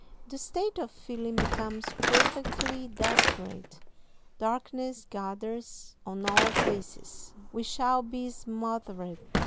The state of feeling becomes perfectly desperate. Darkness gathers on all faces. "We shall be smothered!